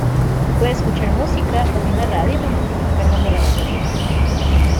Se puede escuchar música o bien la radio mientras está cargando la batería.